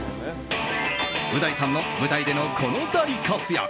う大さんの舞台でのこの大活躍